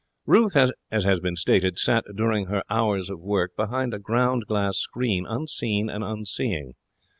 Ruth, as has been stated, sat during her hours of work behind a ground glass screen, unseen and unseeing.